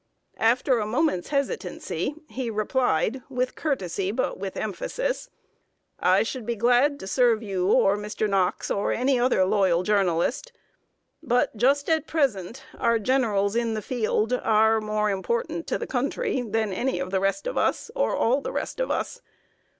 After a moment's hesitancy he replied, with courtesy, but with emphasis: "I should be glad to serve you or Mr. Knox, or any other loyal journalist. But, just at present, our generals in the field are more important to the country than any of the rest of us, or all the rest of us.